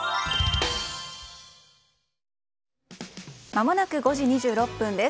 まもなく５時２６分です。